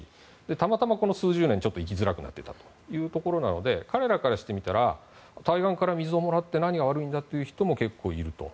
たまたま、この数十年ちょっと行きづらくなっていたということなので彼らからしてみたら台湾から水をもらって何が悪いんだという人も結構いると。